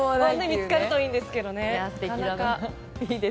見つかるといいんですが。